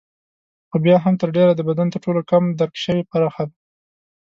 خو بیا هم تر ډېره د بدن تر ټولو کمه درک شوې برخه ده.